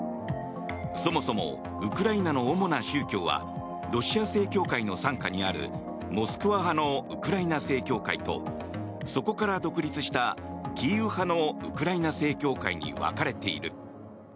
そもそもウクライナの主な宗教はロシア正教会の傘下にあるモスクワ派のウクライナ正教会とそこから独立したキーウ派のウクライナ正教会に分かれている。